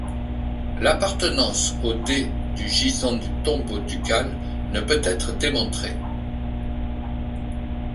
L'appartenance au dais du gisant du tombeau ducal ne peut être démontrée.